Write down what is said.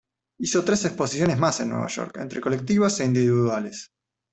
Hizo tres exposiciones más en Nueva York entre colectivas e individuales.